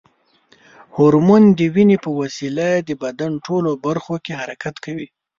هورمون د وینې په وسیله د بدن ټولو برخو کې حرکت کوي.